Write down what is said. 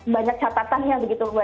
banyak catatannya begitu mbak